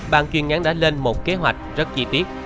bang chuyên ngắn đã lên một kế hoạch rất chi tiết